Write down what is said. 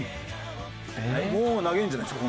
もう投げるんじゃないですか？